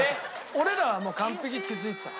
俺らはもう完璧に気付いてたの。